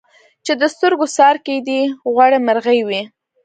چي د سترګو څار کېدی غوړي مرغې وې